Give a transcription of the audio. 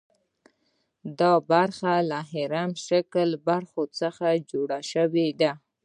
دا برخه له هرم شکلو برخو څخه جوړه شوې ده.